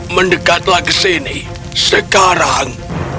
mendekatlah ke sini sekarang